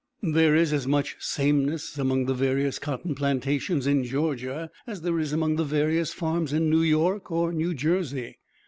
There is as much sameness among the various cotton plantations in Georgia, as there is among the various farms in New York or New Jersey.